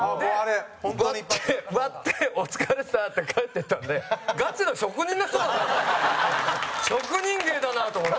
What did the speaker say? バッて割ってお疲れさんって帰っていったのでガチの職人の人かと思って。